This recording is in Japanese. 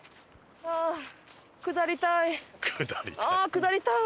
「下りたい」。